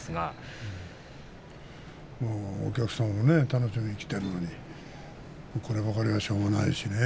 お客さんが楽しみにして来ているのにこればかりは、しょうがないしね。